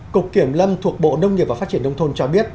cục kiểm lâm thuộc bộ nông nghiệp và phát triển nông thôn cho biết